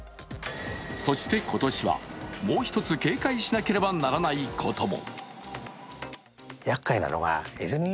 そして今年はもう一つ警戒しなければならないことも。